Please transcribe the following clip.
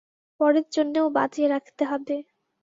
পরের জন্যেও বাঁচিয়ে রাখতে হবে।